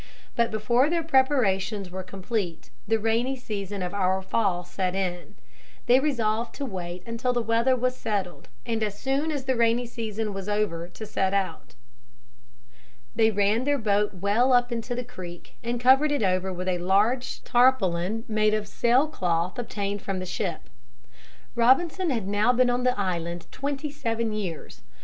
But before their preparations were complete the rainy season of our fall set in. They resolved to wait until the weather was settled and as soon as the rainy season was over to set out. They ran their boat well up into the creek and covered it over with a large tarpaulin made of sail cloth obtained from the ship. Robinson had now been on the island twenty seven years.